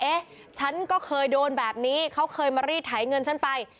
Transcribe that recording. เอ๊ะฉันก็เคยโดนแบบนี้เขาเคยมารีดไถเงินฉันไป